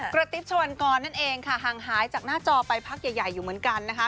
กระติ๊บชวันกรนั่นเองค่ะห่างหายจากหน้าจอไปพักใหญ่อยู่เหมือนกันนะคะ